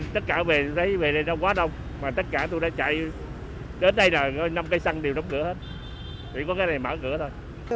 tất cả về đấy về đây nó quá đông mà tất cả tôi đã chạy đến đây là năm cây xăng đều đóng cửa hết chỉ có cái này mở cửa thôi